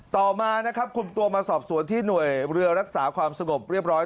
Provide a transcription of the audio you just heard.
ต่อมานะครับคุมตัวมาสอบสวนที่หน่วยเรือรักษาความสงบเรียบร้อย